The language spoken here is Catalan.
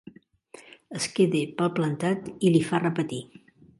Es queda palplantat i li fa repetir.